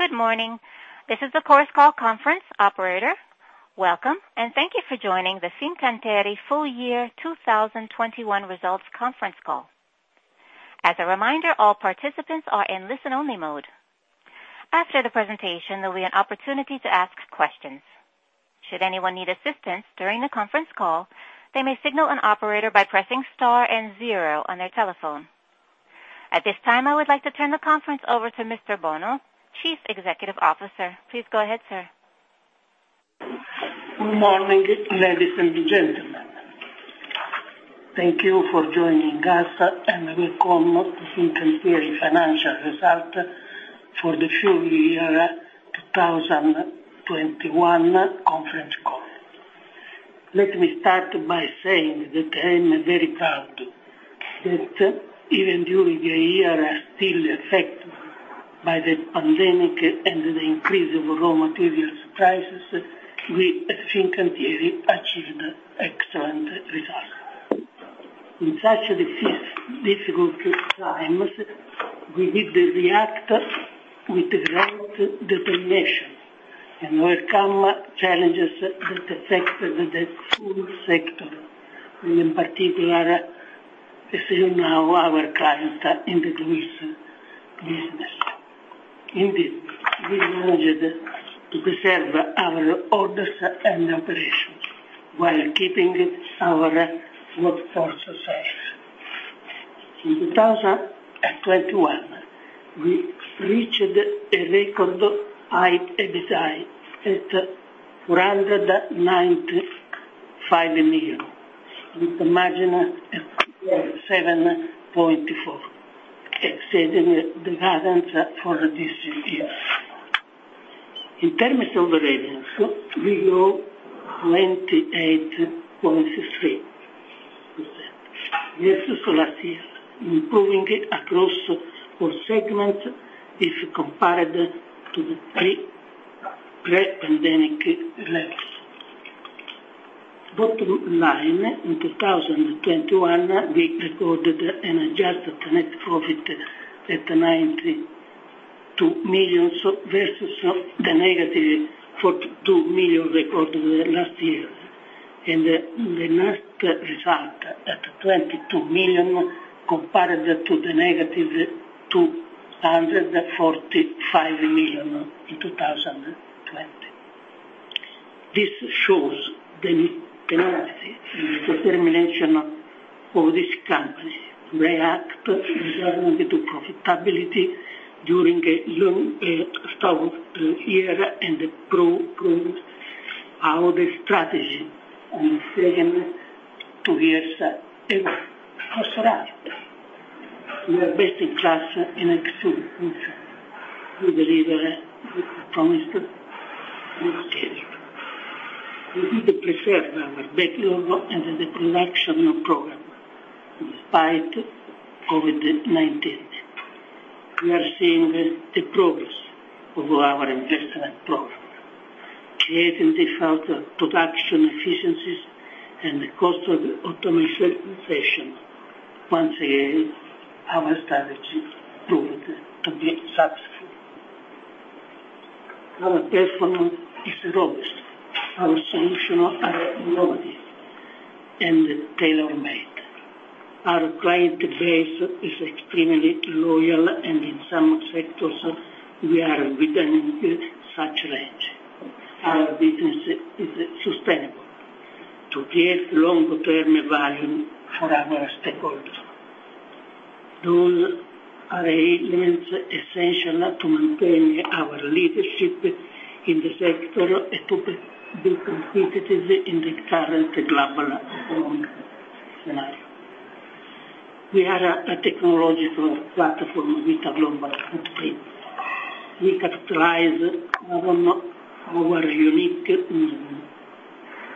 Good morning. This is the conference call operator. Welcome, and thank you for joining the Fincantieri full year 2021 results conference call. As a reminder, all participants are in listen-only mode. After the presentation, there'll be an opportunity to ask questions. Should anyone need assistance during the conference call, they may signal an operator by pressing star and zero on their telephone. At this time, I would like to turn the conference over to Mr. Bono, Chief Executive Officer. Please go ahead, sir. Good morning, ladies and gentlemen. Thank you for joining us, and welcome to Fincantieri financial results for the full year 2021 conference call. Let me start by saying that I am very proud that even during the year still affected by the pandemic and the increase of raw materials prices, we at Fincantieri achieved excellent results. In such difficult times, we need to react with great determination and overcome challenges that affect the whole sector. In particular, as you know, our clients in the cruise business. Indeed, we managed to preserve our orders and operations while keeping our workforce safe. In 2021, we reached a record high EBITDA at EUR 495 million, with a margin of 7.4%, exceeding the guidance for this year. In terms of revenue, we grew 28.3% versus last year, improving across all segments if compared to the pre-pandemic levels. Bottom line, in 2021, we recorded an adjusted net profit at 92 million versus the -42 million recorded last year. The net result at 22 million compared to the -245 million in 2020. This shows the capacity and determination of this company to react returning to profitability during a long struggle era and proving our strategy second to none ever. Across R&D, we are best in class in execution. We believe that we promised to deliver. We need to preserve our backlog and the production program despite COVID-19. We are seeing the progress of our investment program, creating default production efficiencies and the cost of automation. Once again, our strategy proved to be successful. Our performance is robust. Our solutions are innovative and tailor-made. Our client base is extremely loyal, and in some sectors we are within such range. Our business is sustainable to create long-term value for our stakeholders. These arrangements are essential to maintain our leadership in the sector and to be competitive in the current global economic scenario. We have a technological platform with a global footprint. We characterize our unique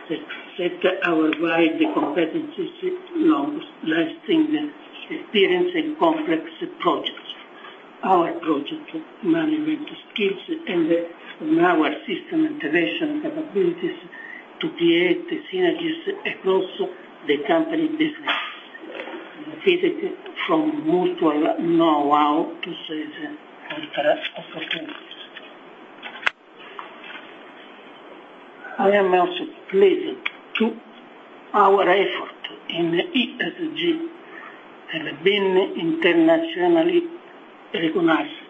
set, our wide competencies, long lasting experience in complex projects, our project management skills and our system integration capabilities to create synergies across the company business, benefit from mutual know-how to seize our opportunities. I am also pleased with our effort in ESG and being internationally recognized,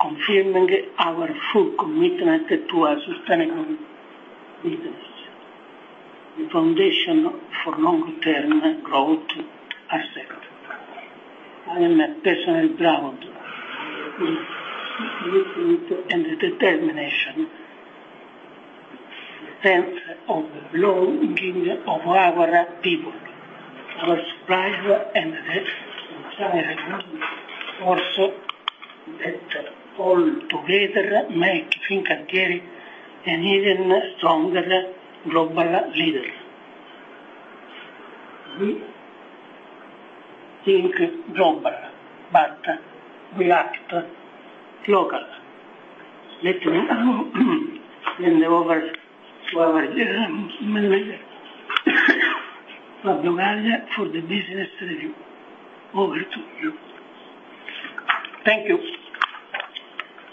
confirming our full commitment to a sustainable business. The foundation for long-term growth are set. I am personally proud of the commitment and the determination and belonging of our people. Our suppliers and the customers also that all together make Fincantieri an even stronger global leader. We think global, but we act local. Let me turn over to our Fabio Gallia for the business review. Over to you. Thank you.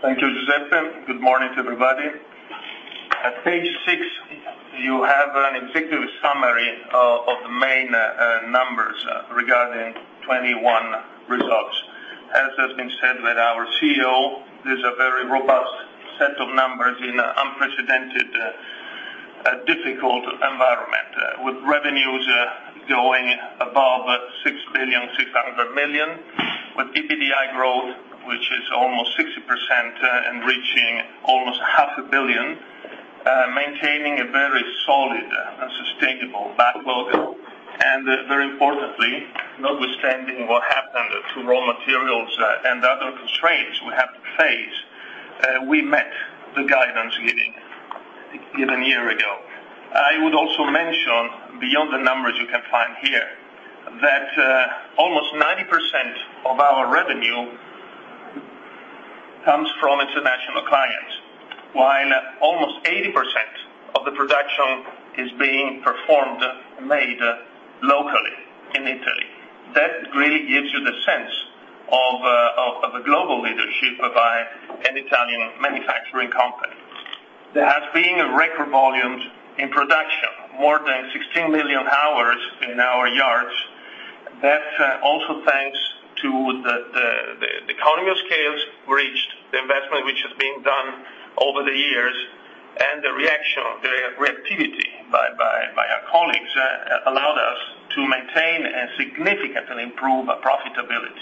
Thank you, Giuseppe. Good morning to everybody. At page six, you have an executive summary of the main numbers regarding 2021 results. As has been said by our CEO, these are very robust set of numbers in an unprecedented difficult environment, with revenues going above 6.6 billion, with EBITDA growth, which is almost 60%, and reaching almost half a billion EUR, maintaining a very solid and sustainable backlog. Very importantly, notwithstanding what happened to raw materials and other constraints we have to face, we met the guidance given a year ago. I would also mention, beyond the numbers you can find here, that almost 90% of our revenue comes from international clients, while almost 80% of the production is being made locally in Italy. That really gives you the sense of a global leadership by an Italian manufacturing company. There has been record volumes in production, more than 16 million hours in our yards. That's also thanks to the economies of scale reached, the investment which has been done over the years, and the reaction and the reactivity by our colleagues allowed us to maintain and significantly improve our profitability.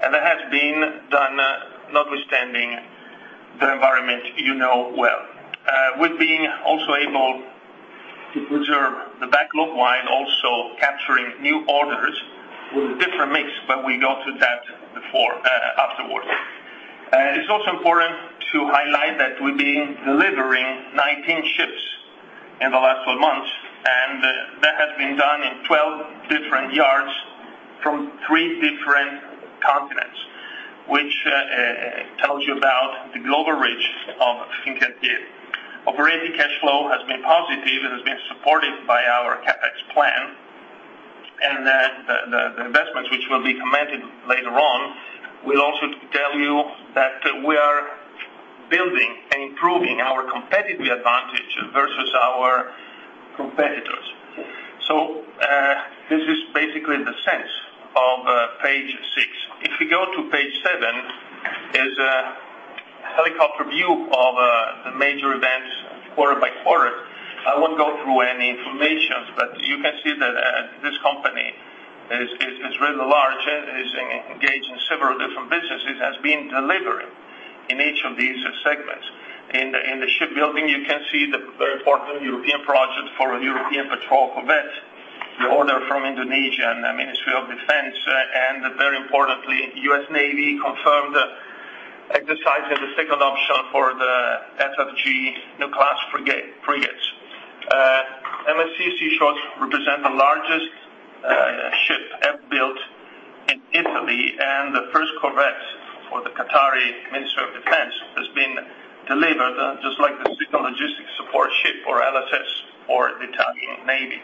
That has been done notwithstanding the environment you know well. We've been also able to preserve the backlog while also capturing new orders with different mix, but we go through that before, afterwards. It's also important to highlight that we've been delivering 19 ships in the last 12 months, and that has been done in 12 different yards from 3 different continents, which tells you about the global reach of Fincantieri. Operating cash flow has been positive and has been supported by our CapEx plan. The investments which will be commented later on will also tell you that we are building and improving our competitive advantage versus our competitors. This is basically the sense of page six. If you go to page seven, is a helicopter view of the major events quarter by quarter. I won't go through any information, but you can see that this company is really large and is engaged in several different businesses, has been delivering in each of these segments. In the shipbuilding, you can see the very important European project for a European patrol corvette, the order from Indonesia and the Ministry of Defense, and very importantly, U.S. Navy confirmed exercising the second option for the FFG new class frigates. MSC Seashore represent the largest ship ever built in Italy, and the first corvette for the Qatari Ministry of Defense has been delivered, just like the second logistic support ship or LSS for Italian Navy.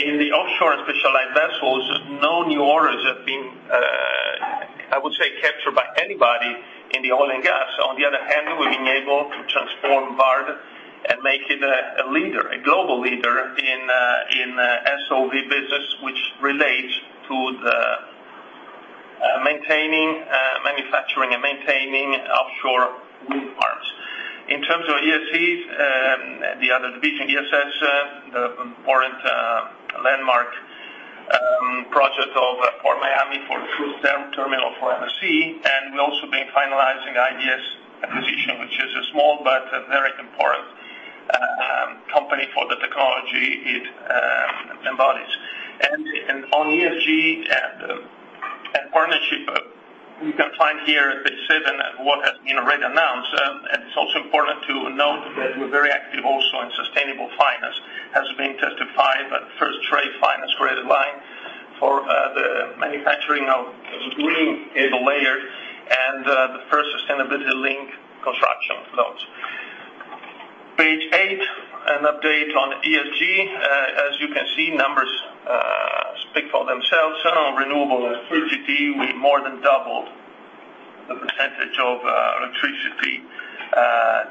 In the offshore and specialized vessels, no new orders have been, I would say, captured by anybody in the oil and gas. On the other hand, we've been able to transform VARD and make it a leader, a global leader in SOV business, which relates to the maintaining, manufacturing and maintaining offshore wind farms. In terms of ESG, the other division, ESS, the important landmark project of Port Miami for cruise terminal for MSC. We've also been finalizing IDS acquisition, which is a small but very important company for the technology it embodies. On ESG and partnership, you can find here at page seven what has been already announced. It's also important to note that we're very active in sustainable finance. It has been testified by the first trade finance credit line for the manufacturing of green cable layer and the first sustainability-linked construction loans. Page eight, an update on ESG. As you can see, numbers speak for themselves. On renewable energy, we've more than doubled the percentage of electricity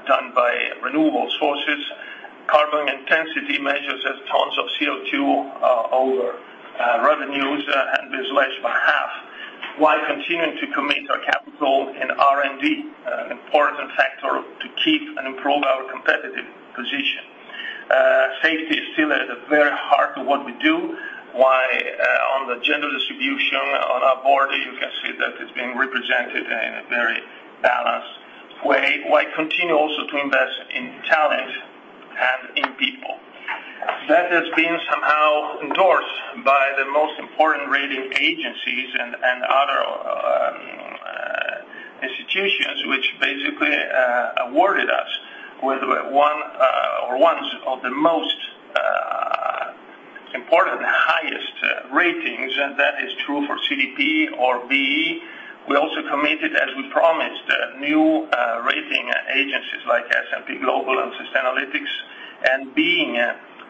done by renewable sources. Carbon intensity measures as tons of CO2 over revenues has been slashed by half, while continuing to commit our capital in R&D, an important factor to keep and improve our competitive position. Safety is still at the very heart of what we do, while on the gender distribution on our board, you can see that it's being represented in a very balanced way. We continue also to invest in talent and in people. That has been somehow endorsed by the most important rating agencies and other institutions, which basically awarded us with one of the top ratings, and that is true for CDP or V.E. We also committed, as we promised, to new rating agencies like S&P Global and Sustainalytics. Being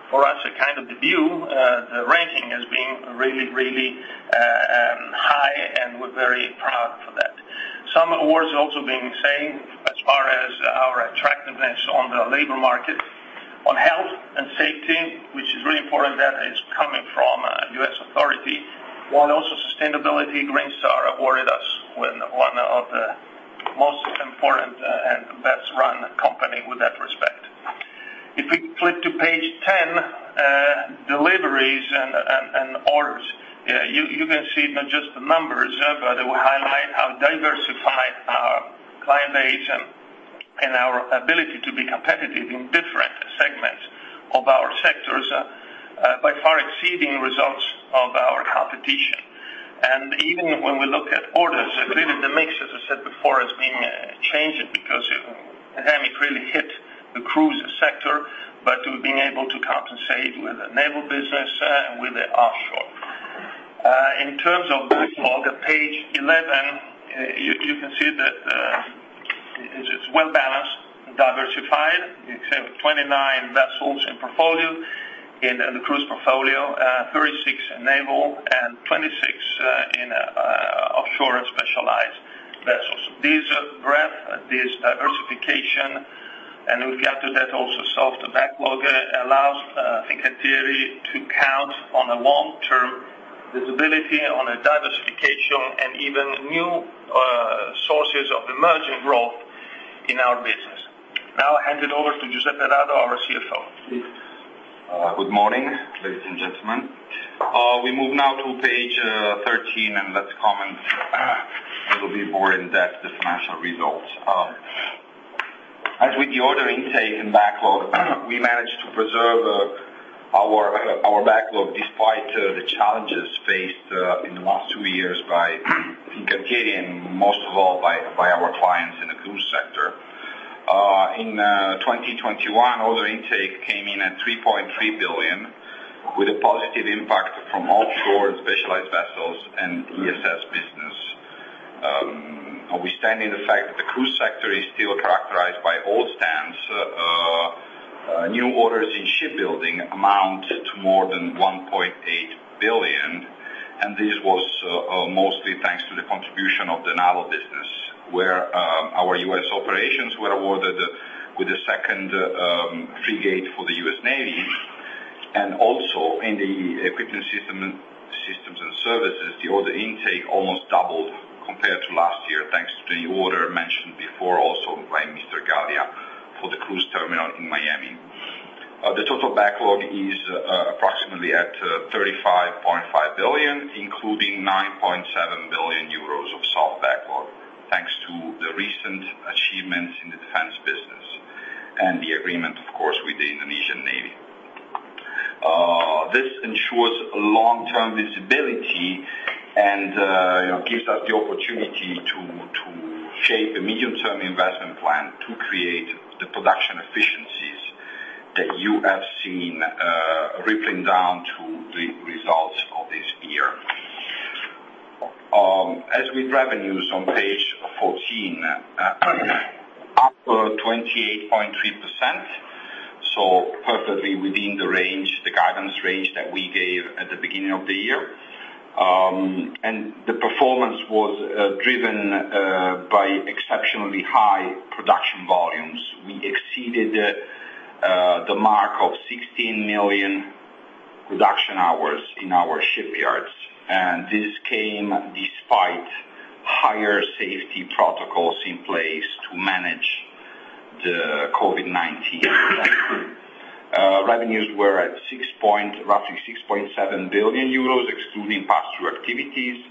for us a kind of the view the ranking as being really high, and we're very proud for that. Some awards also being saying as far as our attractiveness on the labor market on health and safety, which is really important that it's coming from U.S. Authority. On also sustainability, Green Star awarded us with one of the most important and best-run company with that respect. If we flip to page 10, deliveries and orders, you can see not just the numbers, but it will highlight how diversified our client base and our ability to be competitive in different segments of our sectors by far exceeding results of our competition. Even when we look at orders, really the mix, as I said before, is being changing because the pandemic really hit the cruise sector. We've been able to compensate with the naval business and with the offshore. In terms of backlog at page 11, you can see that it's well-balanced, diversified. You have 29 vessels in portfolio, in the cruise portfolio, 36 naval and 26 in offshore specialized vessels. These breadth, this diversification, and we'll get to that also soft backlog, allows Fincantieri to count on a long-term visibility on a diversification and even new sources of emerging growth in our business. Now I hand it over to Giuseppe Dado, our CFO. Good morning, ladies and gentlemen. We move now to page 13, and let's comment a little bit more in depth the financial results. As with the order intake and backlog, we managed to preserve our backlog despite the challenges faced in the last two years by Fincantieri, and most of all by our clients in the cruise sector. In 2021, order intake came in at 3.3 billion with a positive impact from offshore and specialized vessels and ESS business. Withstanding the fact that the cruise sector is still characterized by a standstill, new orders in shipbuilding amount to more than 1.8 billion, and this was mostly thanks to the contribution of the naval business, where our U.S. operations were awarded with the second frigate for the U.S. Navy. Also in the Equipment, Systems & Services, the order intake almost doubled compared to last year, thanks to the order mentioned before also by Mr. Vago for the cruise terminal in Miami. The total backlog is approximately 35.5 billion, including 9.7 billion euros of soft backlog, thanks to the recent achievements in the defense business and the agreement, of course, with the Indonesian Navy. This ensures long-term visibility and you know gives us the opportunity to shape a medium-term investment plan to create the production efficiencies that you have seen rippling down to the results of this year. As with revenues on page 14, up 28.3%, so perfectly within the range, the guidance range that we gave at the beginning of the year. The performance was driven by exceptionally high production volumes. We exceeded the mark of 16 million production hours in our shipyards, and this came despite higher safety protocols in place to manage the COVID-19 outbreak. Revenues were at roughly 6.7 billion euros, excluding pass-through activities.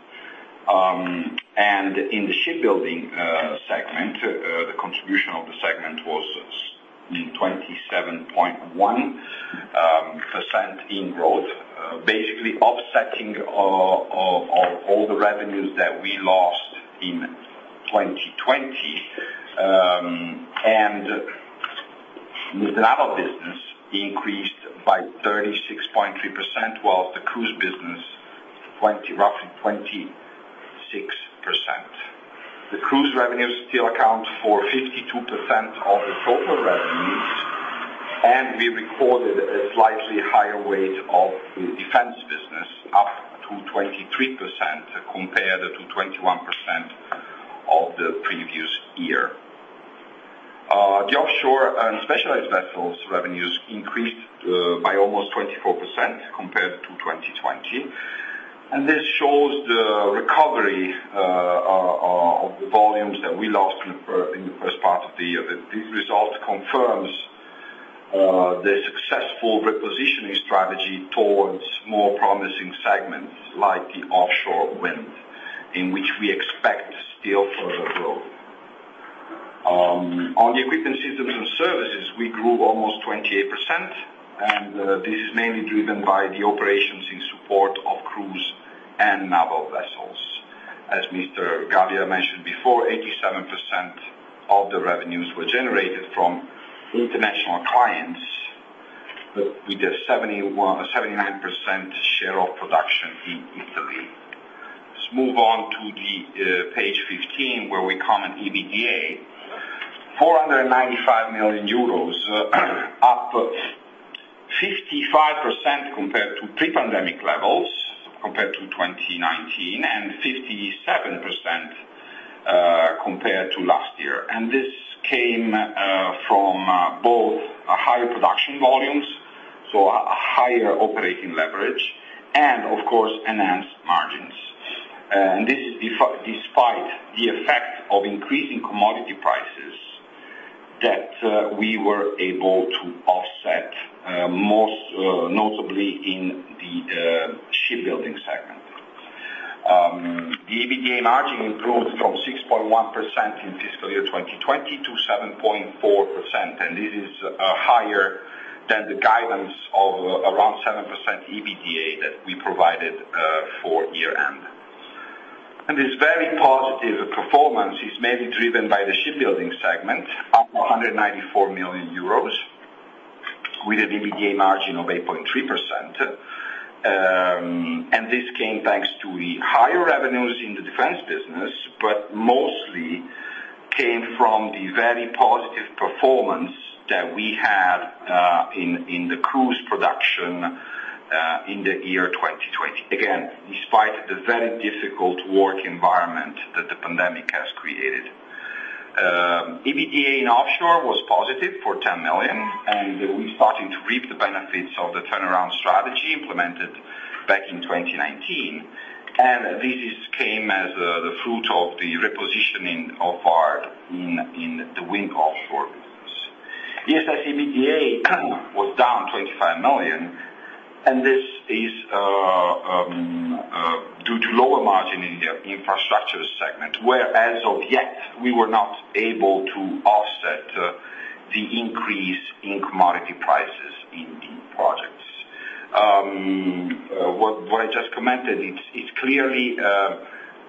In the shipbuilding segment, the contribution of the segment was 27.1% in growth, basically offsetting all the revenues that we lost in 2020. The naval business increased by 36.3%, while the cruise business roughly 26%. The cruise revenues still account for 52% of the total revenues, and we recorded a slightly higher weight of the defense business, up to 23% compared to 21% of the previous year. The offshore and specialized vessels revenues increased by almost 24% compared to 2020, and this shows the recovery of the volumes that we lost in the first part of the year. This result confirms the successful repositioning strategy towards more promising segments like the offshore wind, in which we expect still further growth. On the Equipment, Systems and Services, we grew almost 28%, and this is mainly driven by the operations in support of cruise and naval vessels. As Mr. Gallia mentioned before, 87% of the revenues were generated from international clients with a 79% share of production in Italy. Let's move on to the page 15, where we come to EBITDA. EUR 495 million, up 55% compared to pre-pandemic levels, compared to 2019, and 57% compared to last year. This came from both higher production volumes, so higher operating leverage and, of course, enhanced margins. This despite the effect of increasing commodity prices that we were able to offset, most notably in the shipbuilding segment. The EBITDA margin improved from 6.1% in FY 2020 to 7.4%, and it is higher than the guidance of around 7% EBITDA that we provided for year-end. This very positive performance is mainly driven by the shipbuilding segment, 194 million euros with an EBITDA margin of 8.3%. This came thanks to the higher revenues in the defense business, but mostly came from the very positive performance that we had in the cruise production in the year 2020. Again, despite the very difficult work environment that the pandemic has created. EBITDA in offshore was positive 10 million, and we're starting to reap the benefits of the turnaround strategy implemented back in 2019. This came as the fruit of the repositioning of our in the wind offshore business. The ESS EBITDA was down 25 million, and this is due to lower margin in the infrastructure segment, where as of yet, we were not able to offset the increase in commodity prices in the projects. What I just commented, it's clearly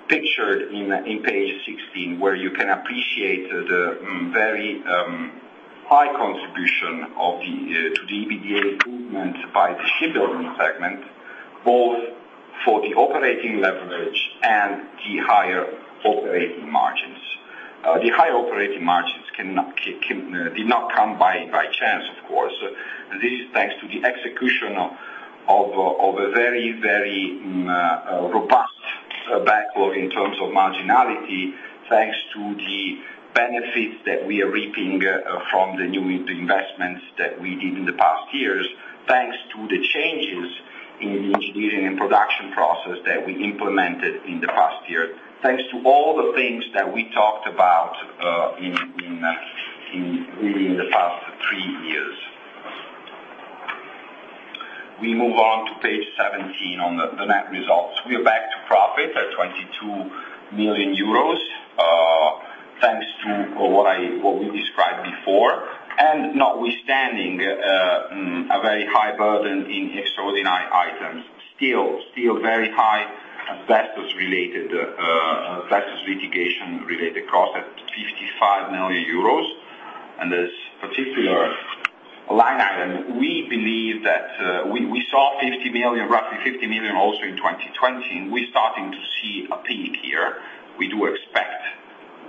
pictured in page 16, where you can appreciate the very high contribution to the EBITDA improvement by the shipbuilding segment, both for the operating leverage and the higher operating margins. The higher operating margins did not come by chance, of course. This is thanks to the execution of a very robust backlog in terms of marginality, thanks to the benefits that we are reaping from the new investments that we did in the past years, thanks to the changes in the engineering and production process that we implemented in the past year. Thanks to all the things that we talked about in really the past three years. We move on to page 17 on the net results. We are back to profit at 22 million euros, thanks to what we described before, and notwithstanding a very high burden in extraordinary items, still very high asbestos litigation-related cost at EUR 55 million. This particular line item, we believe that we saw roughly 50 million also in 2020, and we're starting to see a peak here. We do expect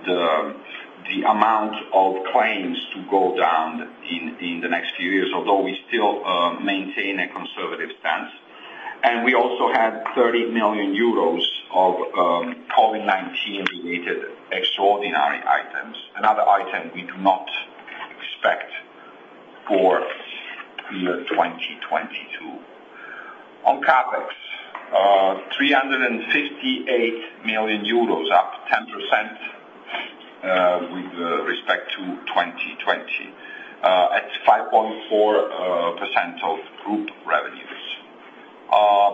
the amount of claims to go down in the next few years, although we still maintain a conservative stance. We also have 30 million euros of COVID-19 related extraordinary items. Another item we do not expect for year 2022. On CapEx, 358 million euros, up 10%, with respect to 2020, at 5.4% of group revenues.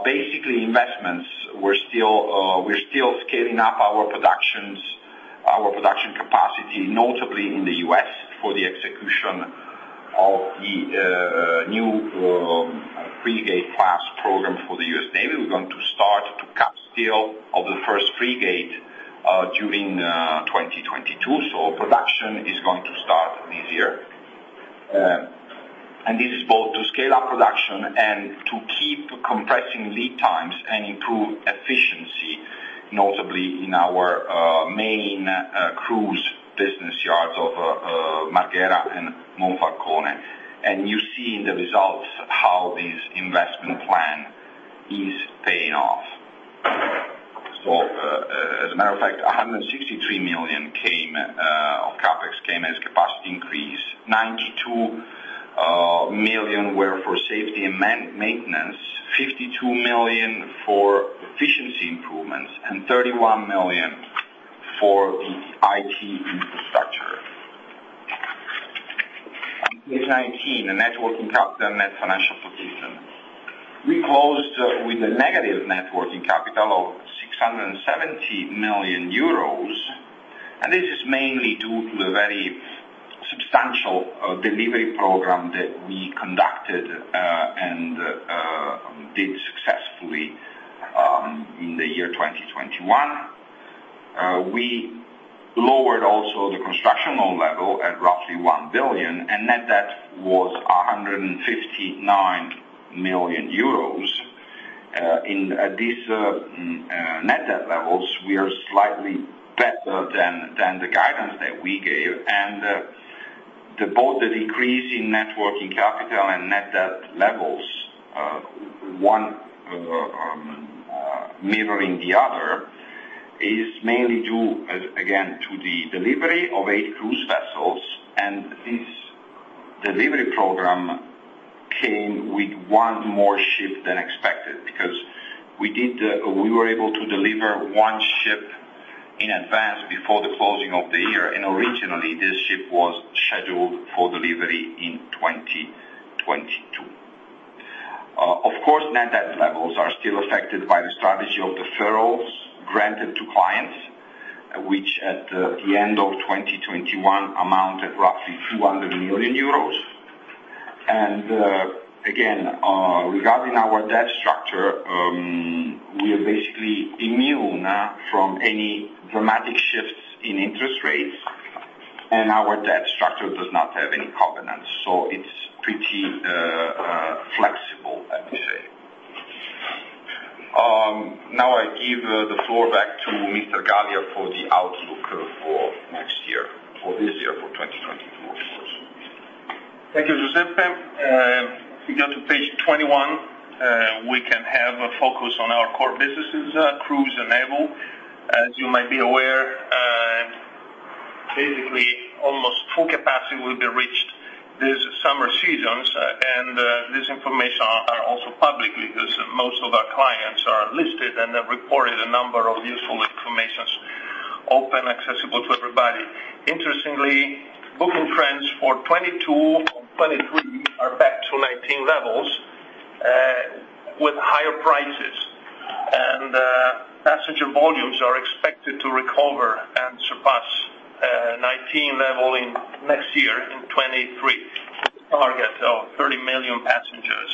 Basically, investments, we're still scaling up our productions, our production capacity, notably in the U.S., for the execution of the new frigate class program for the U.S. Navy. We're going to start to cut steel of the first frigate during 2022. So production is going to start this year. This is both to scale up production and to keep compressing lead times and improve efficiency, notably in our main cruise business yards of Marghera and Monfalcone. You see in the results how this investment plan is paying off. As a matter of fact, 163 million of CapEx came as capacity increase. 92 million were for safety and maintenance, 52 million for efficiency improvements, and 31 million for the IT infrastructure. On page 19, the net working capital and net financial position. We closed with a negative net working capital of 670 million euros, and this is mainly due to the very potent delivery program that we conducted and did successfully in the year 2021. We lowered also the construction loan level at roughly 1 billion, and net debt was 159 million euros. In this net debt levels, we are slightly better than the guidance that we gave. Both the decrease in net working capital and net debt levels, one mirroring the other, is mainly due, again, to the delivery of eight cruise vessels. This delivery program came with one more ship than expected because we were able to deliver one ship in advance before the closing of the year, and originally, this ship was scheduled for delivery in 2022. Of course, net debt levels are still affected by the strategy of deferrals granted to clients, which at the end of 2021 amounted roughly 200 million euros. Again, regarding our debt structure, we are basically immune from any dramatic shifts in interest rates, and our debt structure does not have any covenants, so it's pretty flexible, let me say. Now I give the floor back to Mr. Gallia for the outlook for next year, for this year, for 2022, of course. Thank you, Giuseppe. If you go to page 21, we can have a focus on our core businesses, Cruise and Naval. As you might be aware, basically almost full capacity will be reached this summer season. This information is also public, because most of our clients are listed and have reported a number of useful information open, accessible to everybody. Interestingly, booking trends for 2022, 2023 are back to 2019 levels, with higher prices. Passenger volumes are expected to recover and surpass 2019 level in next year, in 2023. Target of 30 million passengers,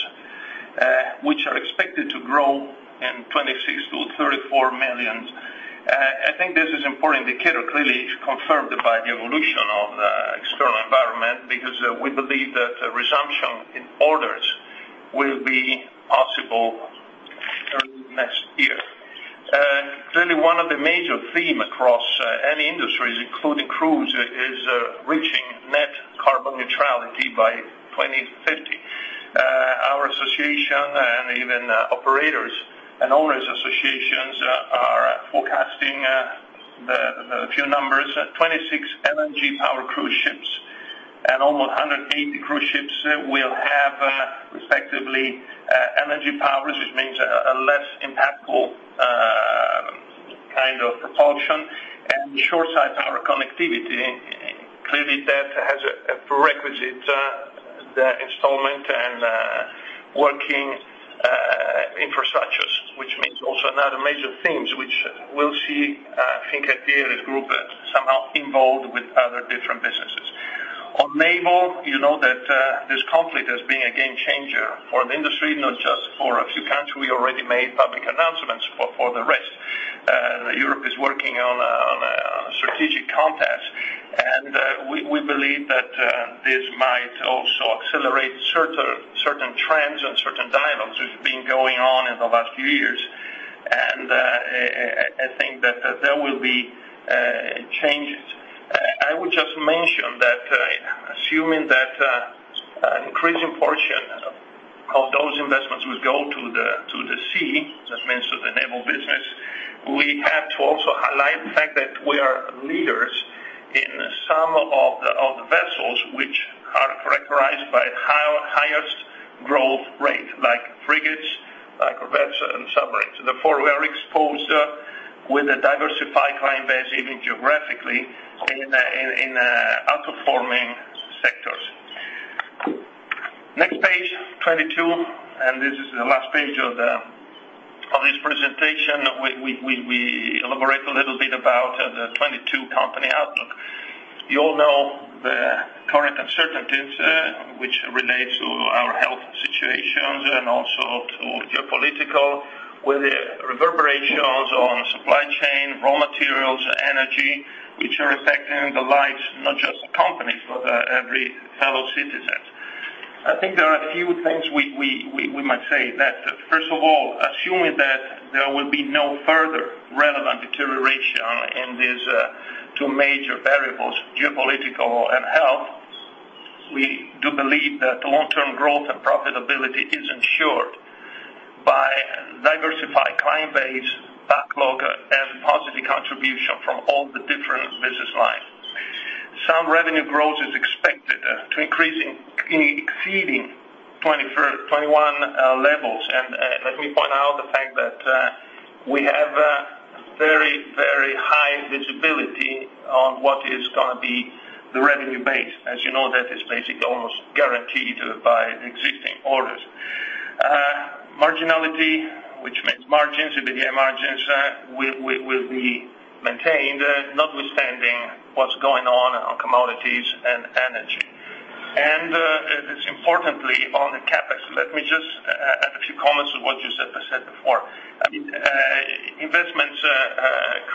which are expected to grow in 2026 to 34 million. I think this is important indicator, clearly confirmed by the evolution of the external environment, because we believe that a resumption in orders will be possible during next year. Clearly one of the major theme across any industries, including cruise, is reaching net carbon neutrality by 2050. Our association and even operators and owners associations are forecasting a few numbers. 26 LNG-powered cruise ships and almost 180 cruise ships will have, respectively, alternative power, which means a less impactful kind of propulsion and shore side power connectivity. Clearly, that has a prerequisite, the installation and working infrastructures, which means also another major themes which we'll see Fincantieri as group somehow involved with other different businesses. On naval, you know that this conflict has been a game changer for the industry, not just for a few countries. We already made public announcements for the rest. Europe is working on a strategic compass. We believe that this might also accelerate certain trends and certain dialogues which have been going on in the last few years. I think that there will be changes. I would just mention that assuming that an increasing portion of those investments will go to the sea, that means to the Naval business, we have to also highlight the fact that we are leaders in some of the vessels which are characterized by highest growth rate, like frigates, corvettes and submarines. Therefore, we are exposed with a diversified client base, even geographically, in outperforming sectors. Next page, 22, and this is the last page of this presentation. We elaborate a little bit about the 2022 company outlook. You all know the current uncertainties, which relate to our health situations and also to geopolitical, with the reverberations on supply chain, raw materials, energy, which are affecting the lives, not just the company, but every fellow citizens. I think there are a few things we might say. That first of all, assuming that there will be no further relevant deterioration in these, 2 major variables, geopolitical and health, we do believe that long-term growth and profitability is ensured by diversified client base, backlog, and positive contribution from all the different business lines. Some revenue growth is expected to increase exceeding 2021 levels. Let me point out the fact that we have a very, very high visibility on what is gonna be the revenue base. As you know, that is basically almost guaranteed by existing orders. Marginality, which means margins, EBITDA margins, will be maintained, notwithstanding what's going on on commodities and energy. This importantly on the CapEx. Let me just add a few comments on what Giuseppe said before. I mean, investments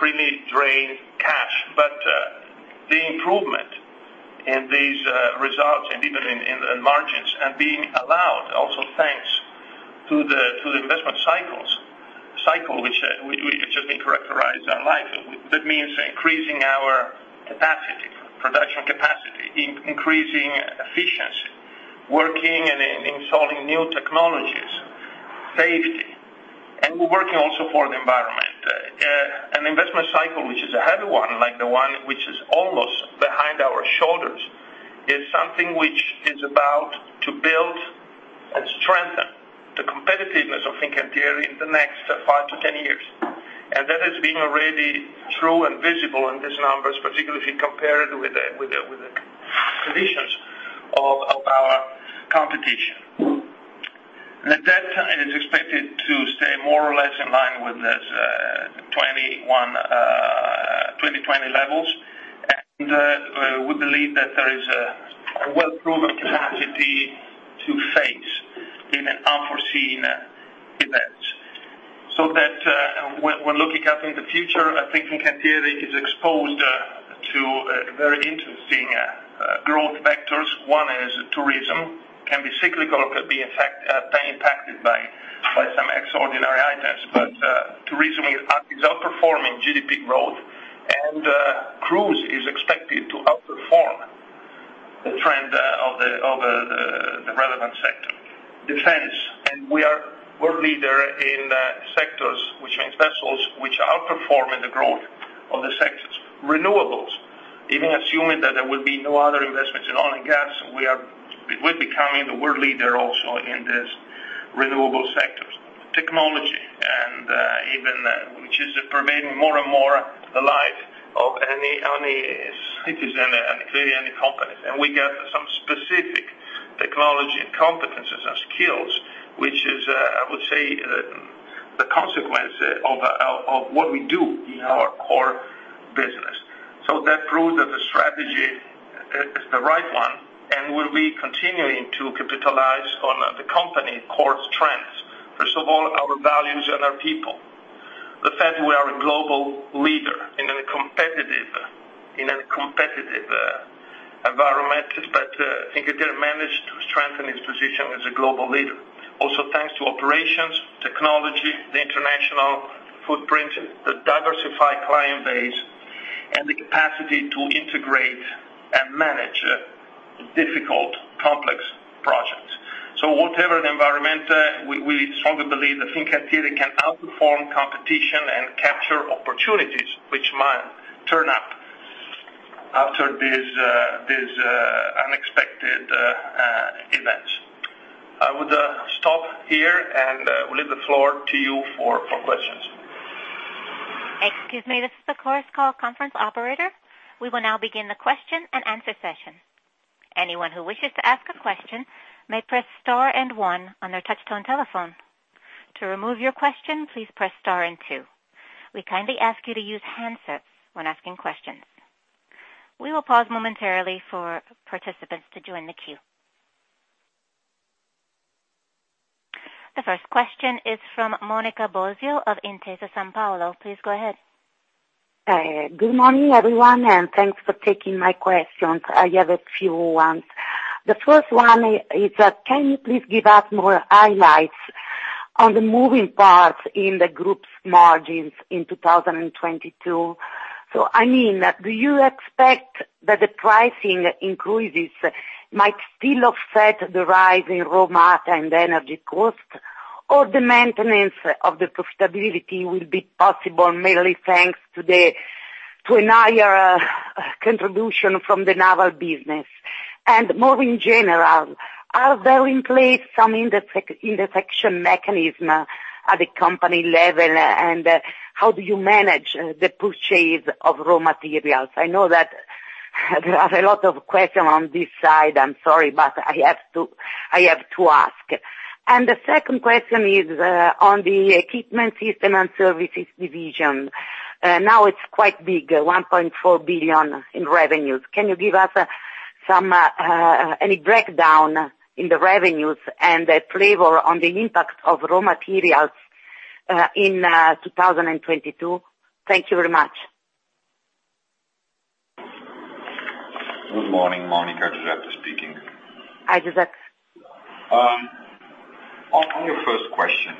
really drain cash, but the improvement in these results and even in the margins and being allowed also, thanks to the investment cycle which has characterized our life. That means increasing our capacity, production capacity, increasing efficiency, working and installing new technologies, safety, and we're working also for the environment. An investment cycle, which is a heavy one, like the one which is almost behind our shoulders, is something which is about to build and strengthen the competitiveness of Fincantieri in the next five to 10 years. That has been already true and visible in these numbers, particularly if you compare it with the conditions of our competition. Net debt is expected to stay more or less in line with this 2021, 2020 levels. We believe that there is a well-proven capacity to face an unforeseen event. When looking at the future, I think Fincantieri is exposed to very interesting growth vectors. One is tourism. It can be cyclical or could be impacted by some extraordinary items. Tourism is outperforming GDP growth, and cruise is expected to outperform the trend of the relevant sector. Defense, and we are world leader in sectors which means vessels which are outperforming the growth of the sectors. Renewables, even assuming that there will be no other investments in oil and gas, we're becoming the world leader also in this renewable sectors. Technology, even which is pervading more and more the life of any citizen and clearly any company. We get some specific technology and competencies and skills, which is I would say the consequence of what we do in our core business. That proves that the strategy is the right one, and we'll be continuing to capitalize on the company core strengths. First of all, our values and our people. The fact we are a global leader in a competitive environment, but Fincantieri managed to strengthen its position as a global leader. Also, thanks to operations, technology, the international footprint, the diversified client base, and the capacity to integrate and manage difficult, complex projects. Whatever the environment, we strongly believe that Fincantieri can outperform competition and capture opportunities which might turn up after these unexpected events. I would stop here and leave the floor to you for questions. Excuse me. This is the Chorus Call conference operator. We will now begin the question and answer session. Anyone who wishes to ask a question may press star and one on their touchtone telephone. To remove your question, please press star and two. We kindly ask you to use handsets when asking questions. We will pause momentarily for participants to join the queue. The first question is from Monica Bosio of Intesa Sanpaolo. Please go ahead. Good morning, everyone, and thanks for taking my questions. I have a few ones. The first one is, can you please give us more highlights on the moving parts in the group's margins in 2022? So I mean, do you expect that the pricing increases might still offset the rise in raw material and energy costs, or the maintenance of the profitability will be possible mainly thanks to a higher contribution from the naval business? And more in general, are there in place some escalation mechanisms at the company level, and how do you manage the purchase of raw materials? I know that there are a lot of questions on this side. I'm sorry, but I have to ask. The second question is on the Equipment, Systems & Services division. Now it's quite big, 1.4 billion in revenues. Can you give us some any breakdown in the revenues and a flavor on the impact of raw materials in 2022? Thank you very much. Good morning, Monica. Giuseppe speaking. Hi, Giuseppe. On your first question.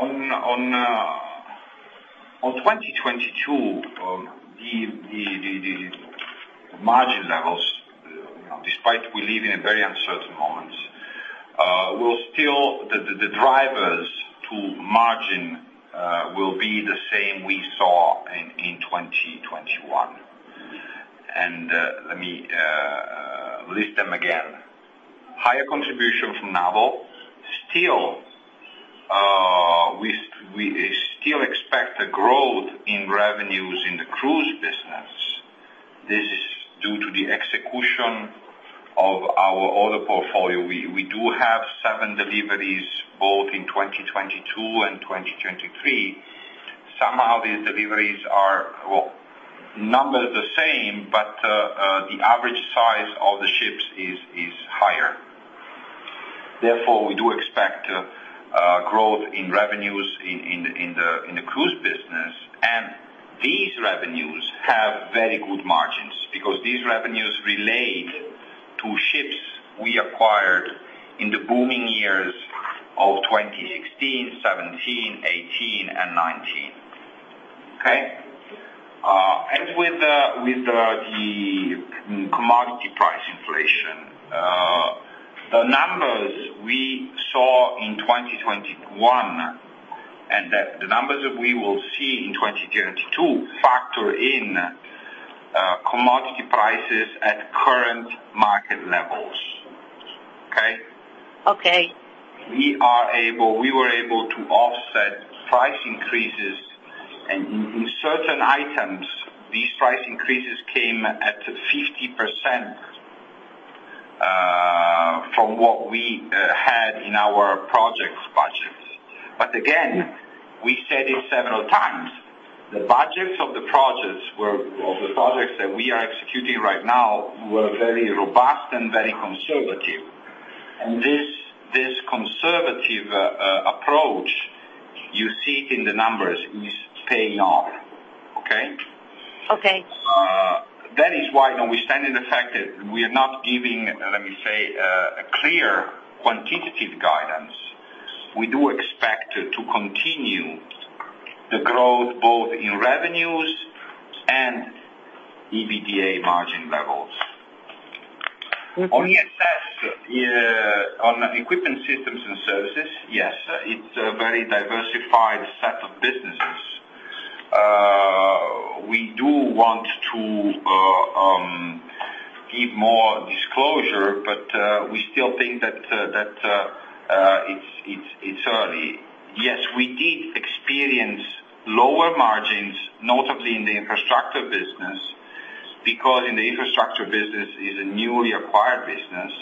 On 2022, the margin levels, you know, despite we live in a very uncertain moments, will still the drivers to margin will be the same we saw in 2021. Let me list them again. Higher contribution from Naval. Still, this is due to the execution of our order portfolio. We do have 7 deliveries both in 2022 and 2023. Somehow these deliveries are, well, number the same, but the average size of the ships is higher. Therefore, we do expect growth in revenues in the cruise business. These revenues have very good margins because these revenues relate to ships we acquired in the booming years of 2016, 2017, 2018, and 2019. Okay? As with the commodity price inflation, the numbers we saw in 2021, and that the numbers that we will see in 2022 factor in commodity prices at current market levels. Okay. Okay. We were able to offset price increases. In certain items, these price increases came at 50% from what we had in our projects budgets. Again, we said it several times, the budgets of the projects that we are executing right now were very robust and very conservative. This conservative approach, you see it in the numbers, is paying off. Okay? Okay. That is why we stand by the fact that we are not giving, let me say, a clear quantitative guidance. We do expect to continue the growth both in revenues and EBITDA margin levels. Okay. On ESS, on Equipment, Systems & Services, yes, it's a very diversified set of businesses. We do want to give more disclosure, but we still think that it's early. Yes, we did experience lower margins, notably in the infrastructure business, because the infrastructure business is a newly acquired business.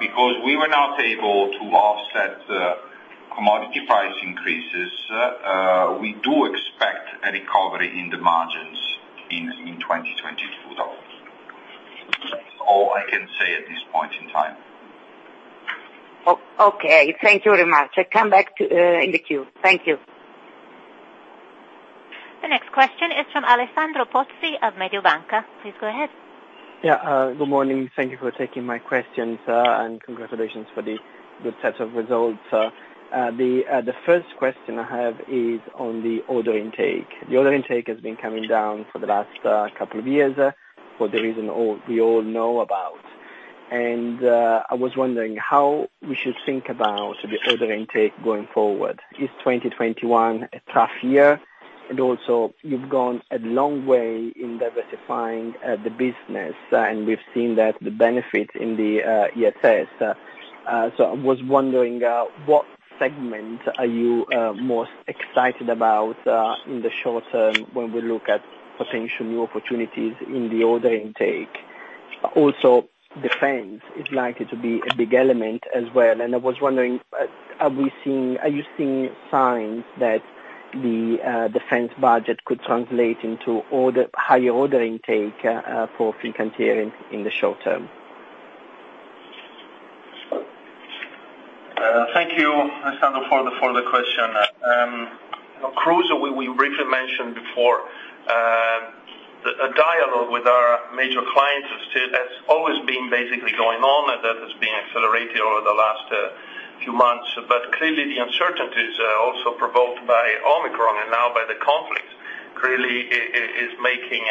Because we were not able to offset the commodity price increases, we do expect a recovery in the margins in 2022, though. That's all I can say at this point in time. Okay. Thank you very much. I come back to, in the queue. Thank you. The next question is from Alessandro Pozzi of Mediobanca. Please go ahead. Good morning. Thank you for taking my questions, and congratulations for the good set of results. The first question I have is on the order intake. The order intake has been coming down for the last couple of years for the reason we all know about. I was wondering how we should think about the order intake going forward. Is 2021 a tough year? Also, you've gone a long way in diversifying the business, and we've seen that the benefit in the ESS. So I was wondering what segment are you most excited about in the short term when we look at potential new opportunities in the order intake? Defense is likely to be a big element as well, and I was wondering, are you seeing signs that the defense budget could translate into order, higher order intake, for Fincantieri in the short term? Thank you, Alessandro, for the question. Cruise, we briefly mentioned before, a dialogue with our major clients has always been basically going on, and that has been accelerated over the last few months. Clearly the uncertainties also provoked by Omicron and now by the conflicts clearly is making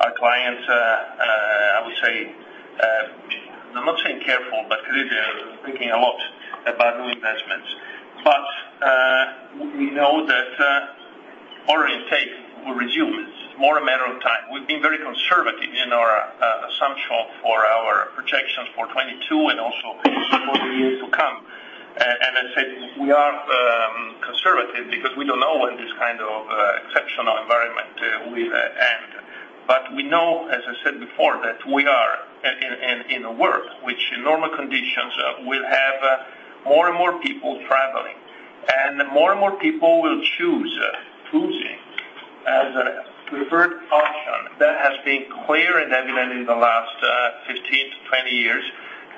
our clients, I would say, I'm not saying careful, but clearly they're thinking a lot about new investments. We know that order intake will resume. It's more a matter of time. We've been very conservative in our assumption for our projections for 2022 and also for the years to come. I said we are conservative because we don't know when this kind of exceptional environment will end. We know, as I said before, that we are in a world which in normal conditions will have more and more people traveling. More and more people will choose cruising as a preferred option. That has been clear and evident in the last 15-20 years,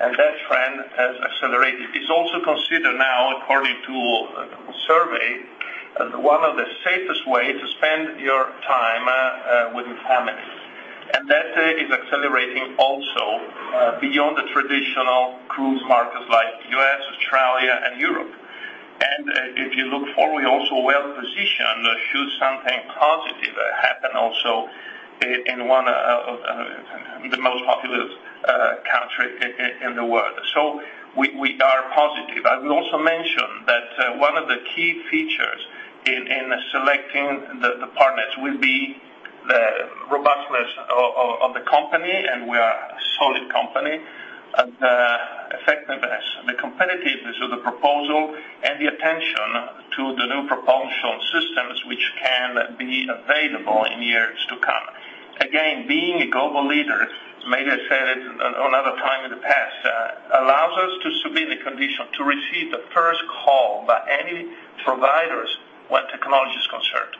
and that trend has accelerated. It's also considered now, according to survey, as one of the safest way to spend your time with families. That is accelerating also beyond the traditional cruise markets like U.S., Australia, and Europe. If you look forward, we're also well-positioned should something positive happen also in one of the most populous country in the world. We are positive. I will also mention that one of the key features in selecting the partners will be the robustness of the company, and we are a solid company, the proposal and the attention to the new propulsion systems which can be available in years to come. Again, being a global leader, maybe I said it another time in the past allows us to be in the condition to receive the first call by any providers where technology is concerned.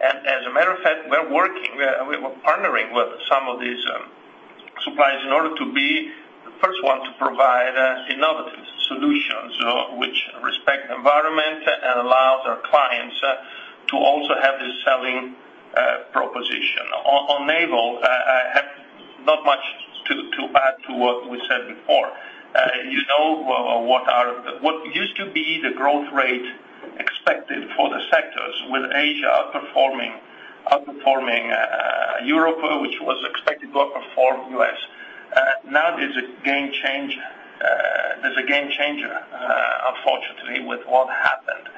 As a matter of fact, we're working, we're partnering with some of these suppliers in order to be the first one to provide innovative solutions which respect environment and allows our clients to also have this selling proposition. On naval, I have not much to add to what we said before. You know, what used to be the growth rate expected for the sectors with Asia outperforming Europe, which was expected to outperform U.S. Now there's a game changer, unfortunately, with what happened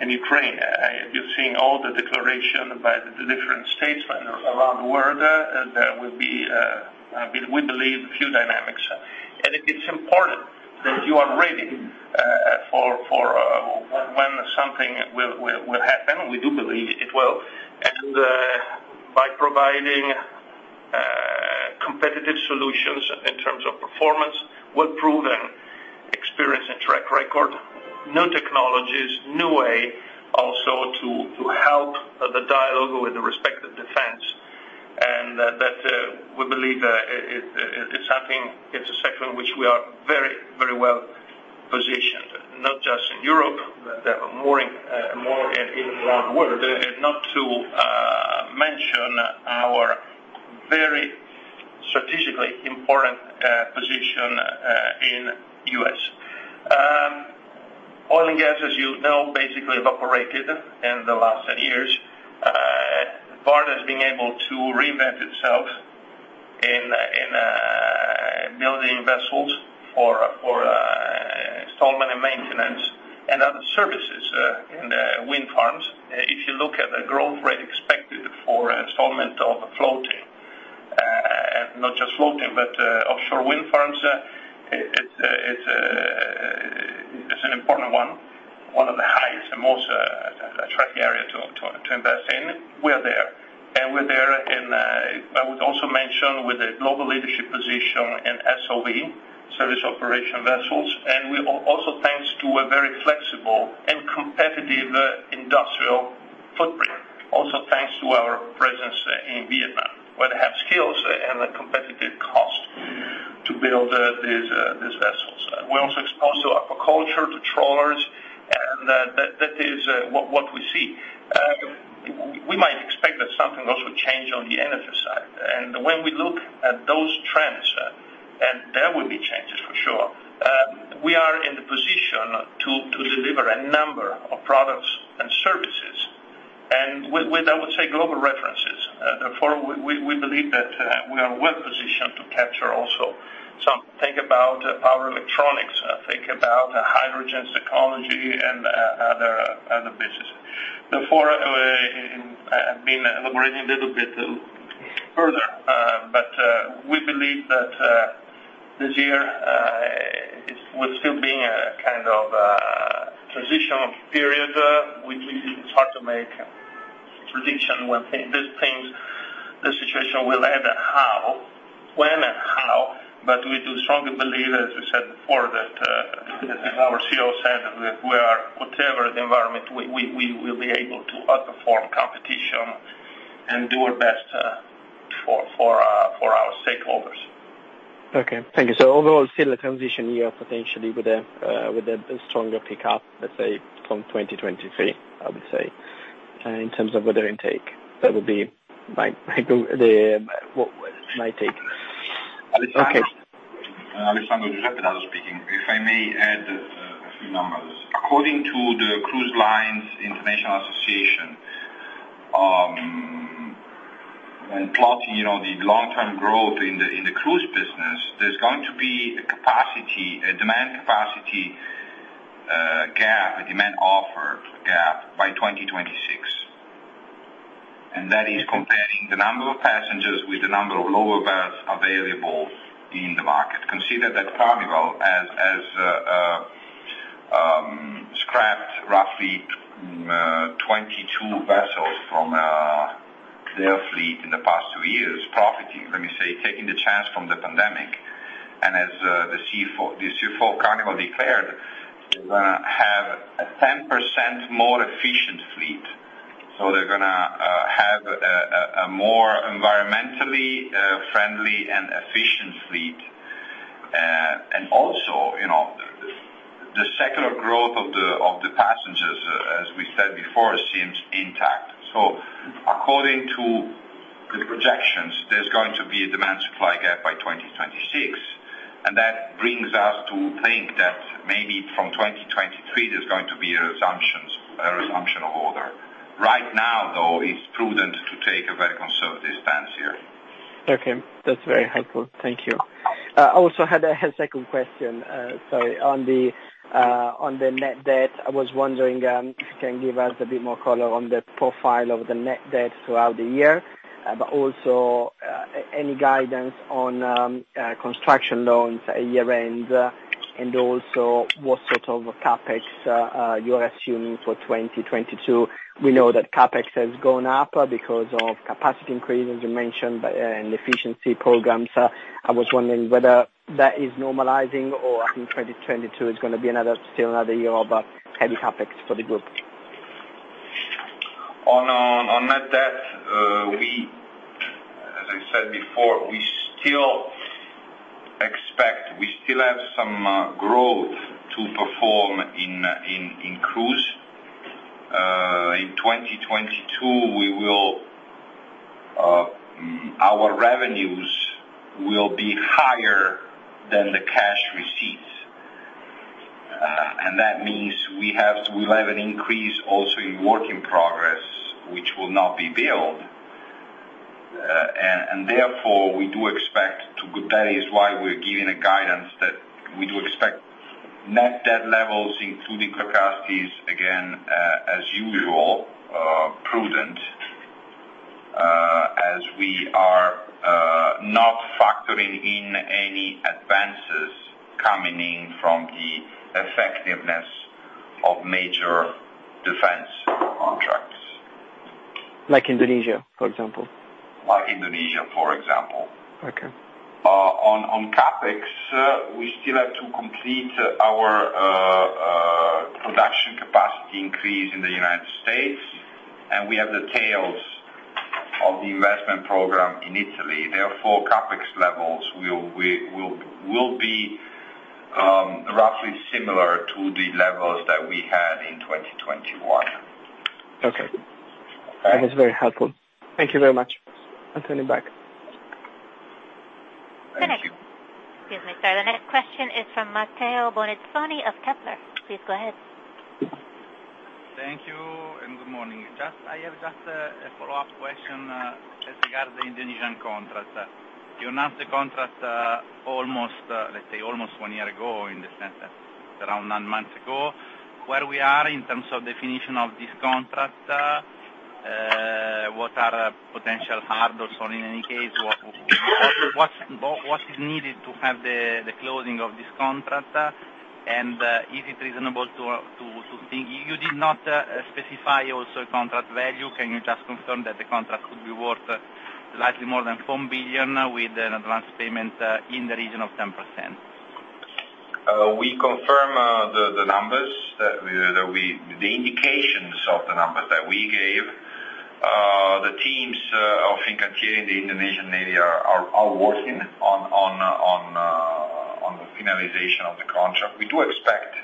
in Ukraine. You've seen all the declarations by the different statesmen around the world. There will be, we believe, new dynamics. It is important that you are ready for when something will happen. We do believe it will. By providing competitive solutions in terms of performance, well proven experience and track record, new technologies, new way also to help the dialogue with respect to defense. That we believe it's something, it's a sector in which we are very, very well-positioned, not just in Europe, but more in the world. Not to mention our very strategically important position in U.S. Oil and gas, as you know, basically evaporated in the last years. Part has been able to reinvent itself in building vessels for installation and maintenance and other services in the wind farms. If you look at the growth rate expected for installation of floating, not just floating, but offshore wind farms, it's an important one of the highest and most attractive area to invest in. We're there. We're there in. I would also mention with a global leadership position in SOV, service operation vessels, and also thanks to a very flexible and competitive industrial footprint, also thanks to our presence in Vietnam, where they have skills and a competitive cost to build these vessels. We're also exposed to aquaculture, to trawlers, and that is what we see. We might expect that something also change on the energy side. When we look at those trends, there will be changes for sure, we are in the position to deliver a number of products and services. With, I would say, global references, we believe that we are well-positioned to capture also some. Think about power electronics, think about hydrogen's technology and other business. Before I've been elaborating a little bit further, but we believe that this year will still be a kind of transitional period. It's hard to make prediction when these things, the situation will end how, when and how, but we do strongly believe, as we said before, that, as our CEO said, whatever the environment, we will be able to outperform competition and do our best for our stakeholders. Okay, thank you. Overall, still a transition year potentially with a stronger pickup, let's say from 2023, I would say, in terms of order intake. That would be my take. Alessandro- Okay. If I may add a few numbers. According to the Cruise Lines International Association, when plotting, you know, the long-term growth in the cruise business, there's going to be a capacity demand capacity gap, a demand offer gap by 2026. That is comparing the number of passengers with the number of lower berths available in the market. Consider that Carnival has scrapped roughly 22 vessels from their fleet in the past two years, profiting, let me say, taking the chance from the pandemic. As the CEO of Carnival declared, they're gonna have a 10% more efficient fleet. They're gonna have a more environmentally friendly and efficient fleet. also, you know, the secular growth of the passengers, as we said before, seems intact. According to the projections, there's going to be a demand supply gap by 2026. That brings us to think that maybe from 2023, there's going to be a resumption of order. Right now, though, it's prudent to take a very conservative stance here. Okay, that's very helpful. Thank you. Also had a second question, sorry, on the net debt. I was wondering if you can give us a bit more color on the profile of the net debt throughout the year. But also, any guidance on construction loans at year-end, and also what sort of CapEx you are assuming for 2022. We know that CapEx has gone up because of capacity increase, as you mentioned, and efficiency programs. I was wondering whether that is normalizing or if in 2022 it's gonna be another, still another year of a heavy CapEx for the group. On net debt, as I said before, we still expect, we still have some growth to perform in cruise. In 2022, our revenues will be higher than the cash receipts. And that means we'll have an increase also in work in progress, which will not be billed. And therefore, we do expect. That is why we're giving a guidance that we do expect net debt levels, including cryptocurrencies, again, as usual, prudent, as we are, not factoring in any advances coming in from the effectiveness of major defense contracts. Like Indonesia, for example. Like Indonesia, for example. Okay. On CapEx, we still have to complete our production capacity increase in the United States, and we have the tails of the investment program in Italy. Therefore, CapEx levels will be roughly similar to the levels that we had in 2021. Okay. All right? That is very helpful. Thank you very much. I'll turn it back. Thank you. Excuse me, sir. The next question is from Matteo Bonizzoni of Kepler. Please go ahead. Thank you and good morning. I have just a follow-up question as regards the Indonesian contract. You announced the contract almost one year ago, in the sense that around 9 months ago. Where are we in terms of definition of this contract? What are potential hurdles, or in any case, what is needed to have the closing of this contract? Is it reasonable to think you did not specify also the contract value. Can you just confirm that the contract could be worth slightly more than 4 billion with an advance payment in the region of 10%? We confirm the indications of the numbers that we gave. The teams of Fincantieri in the Indonesian Navy are working on the finalization of the contract. We do expect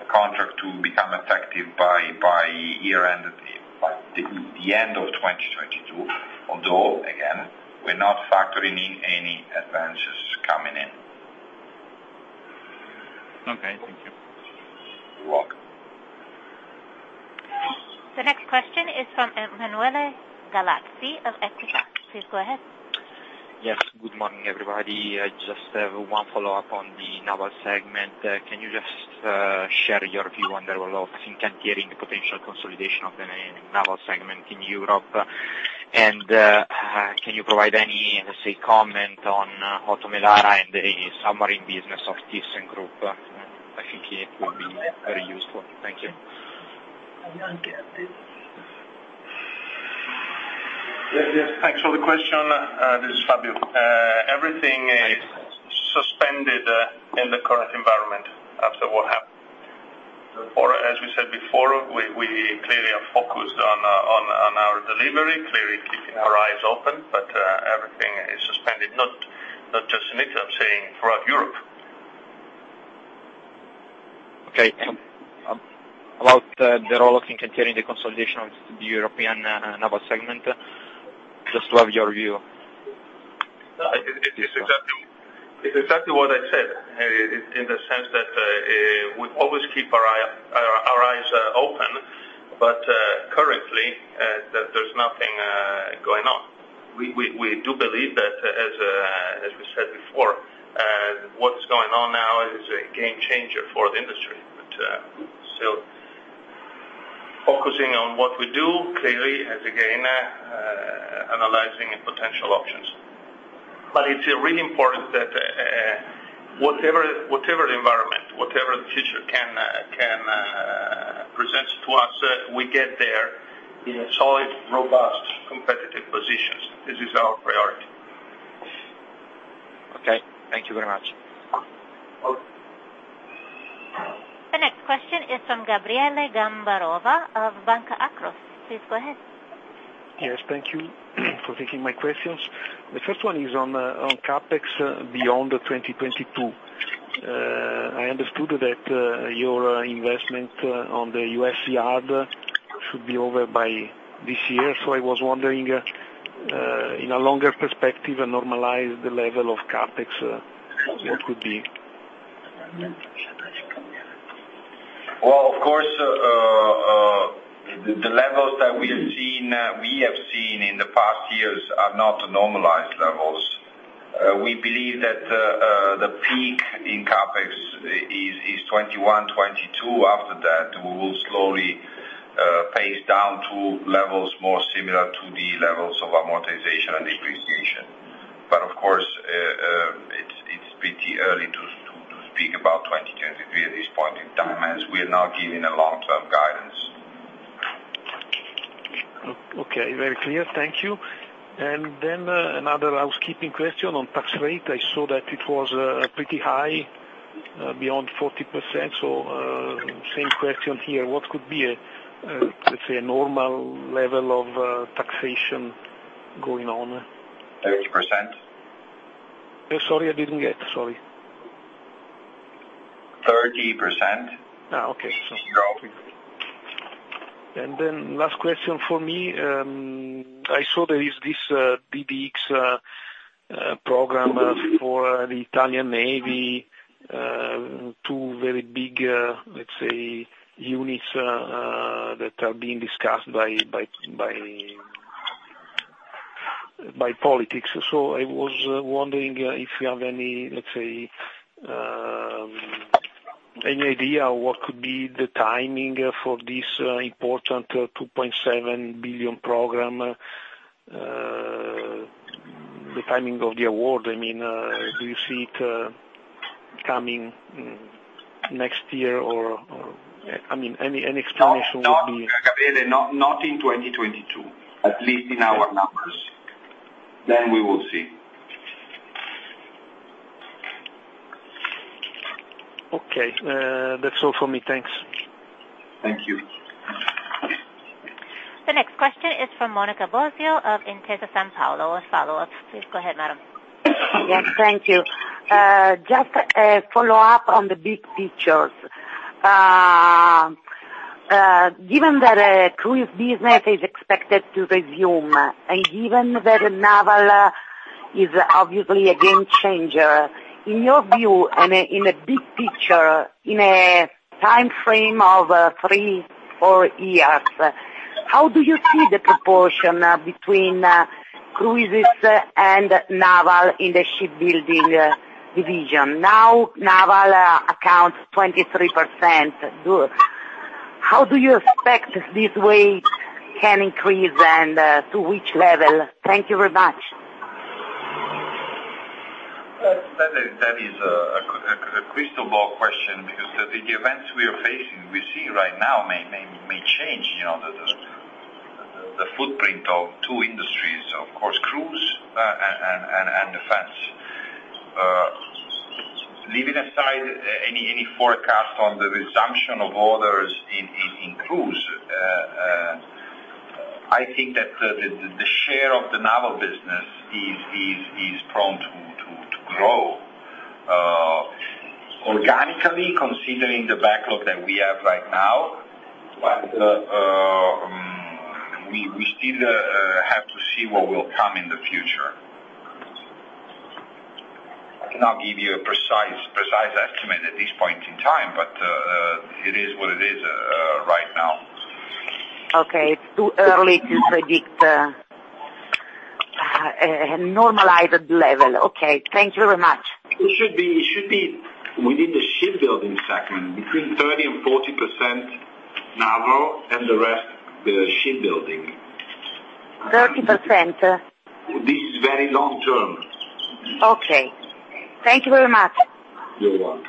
the contract to become effective by year-end, by the end of 2022, although, again, we're not factoring in any advances coming in. Okay, thank you. You're welcome. The next question is from Emanuele Gallazzi of Equita. Please go ahead. Yes, good morning, everybody. I just have one follow-up on the naval segment. Can you just share your view on the role of Fincantieri in the potential consolidation of the naval segment in Europe? Can you provide any, let's say, comment on OTO Melara and the submarine business of Thyssenkrupp? I think it will be very useful. Thank you. Yes, yes. Thanks for the question. This is Fabio. Everything is suspended in the current environment after what happened. As we said before, we clearly are focused on our delivery, clearly keeping our eyes open, but everything is suspended, not just in Italy, I'm saying throughout Europe. Okay. About the role of Fincantieri in the consolidation of the European naval segment, just to have your view? It is exactly what I said in the sense that we always keep our eyes open, but currently there's nothing going on. We do believe that, as we said before, what's going on now is a game changer for the industry, focusing on what we do, clearly, again analyzing potential options. It's really important that whatever the environment, whatever the future can present to us, we get there in a solid, robust, competitive positions. This is our priority. Okay. Thank you very much. Welcome. The next question is from Gabriele Gambarova of Banca Akros. Please go ahead. Yes. Thank you for taking my questions. The first one is on CapEx beyond 2022. I understood that your investment on the U.S. yard should be over by this year. I was wondering in a longer perspective a normalized level of CapEx what could be? Well, of course, the levels that we've seen in the past years are not normalized levels. We believe that the peak in CapEx is 2021-2022. After that, we will slowly pace down to levels more similar to the levels of amortization and depreciation. Of course, it's pretty early to speak about 2023 at this point in time, as we are not giving a long-term guidance. Okay, very clear. Thank you. Another housekeeping question on tax rate. I saw that it was pretty high, beyond 40%. Same question here, what could be, let's say, a normal level of taxation going on? 30%. Sorry, I didn't get. Sorry. 30%. Okay. Zero. Last question for me. I saw there is this PPX program for the Italian Navy, two very big, let's say units that are being discussed by politics. I was wondering if you have any, let's say, any idea what could be the timing for this important 2.7 billion program, the timing of the award? I mean, do you see it coming next year or... I mean, any explanation would be- No, Gabriele, not in 2022, at least in our numbers. Then we will see. Okay. That's all for me. Thanks. Thank you. The next question is from Monica Bosio of Intesa Sanpaolo. A follow-up. Please go ahead, madam. Yes, thank you. Just a follow-up on the big picture. Given that a cruise business is expected to resume, and given that naval is obviously a game changer, in your view, and in a big picture, in a time frame of 3-4 years, how do you see the proportion between cruise and naval in the shipbuilding division? Now, naval accounts 23%. Good. How do you expect this weight can increase and to which level? Thank you very much. That is a crystal ball question because the events we are facing right now may change, you know, the footprint of two industries, of course, cruise and defense. Leaving aside any forecast on the resumption of orders in cruise, I think that the share of the naval business is prone to grow organically considering the backlog that we have right now. We still have to see what will come in the future. I cannot give you a precise estimate at this point in time, but it is what it is right now. Okay. It's too early to predict a normalized level. Okay. Thank you very much. It should be within the shipbuilding segment between 30% and 40% naval and the rest the shipbuilding. 30%. This is very long-term. Okay. Thank you very much. You're welcome.